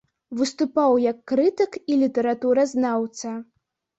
Выступаў як крытык і літаратуразнаўца.